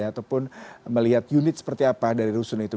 ataupun melihat unit seperti apa dari rusun itu